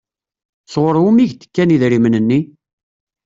Sɣur wumi i k-d-kan idrimen-nni?